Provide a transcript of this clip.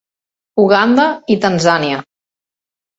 Uganda i Tanzània.